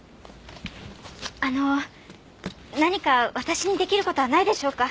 あの何か私に出来る事はないでしょうか？